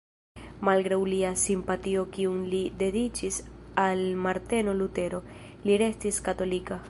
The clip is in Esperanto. Malgraŭ lia simpatio kiun li dediĉis al Marteno Lutero, li restis katolika.